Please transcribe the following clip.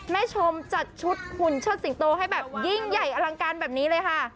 แม่ชมจัดชุดหุ่นเชิดสิงโตให้แบบยิ่งใหญ่อลังการแบบนี้เลยค่ะ